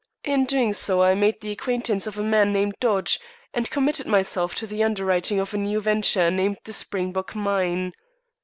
In doing so I made the acquaintance of a man named Dodge, and committed myself to the underwriting of a new venture named the Springbok Mine.